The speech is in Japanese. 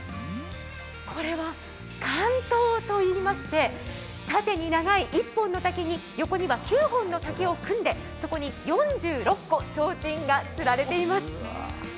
これは、竿燈といいまして縦に長い１本の竹に横には９本の竹を組んでそこに４６個ちょうちんがつられています。